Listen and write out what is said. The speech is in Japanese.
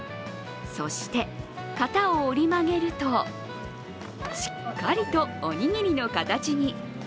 そして、型を折り曲げるとしっかりとおにぎりの形に。